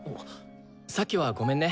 さっきはごめんね！